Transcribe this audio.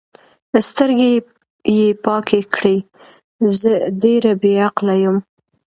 سترګې یې پاکې کړې: زه ډېره بې عقله یم.